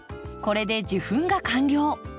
これで受粉が完了。